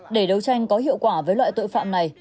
để đấu tranh có hiệu quả với loại tội phạm này